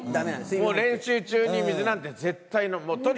もう練習中に水なんて、絶対に。